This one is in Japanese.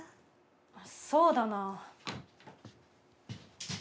そうだな。